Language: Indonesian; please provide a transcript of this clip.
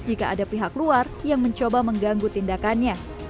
jika ada pihak luar yang mencoba mengganggu tindakannya